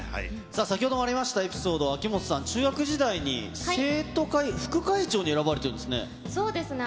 さあ、先ほどもありましたエピソード、秋元さん、中学時代に生徒会副会長に選ばれたんですね。